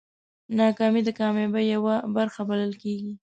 ناکامي د کامیابۍ یوه برخه بلل کېږي.